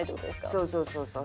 そうそうそうそう。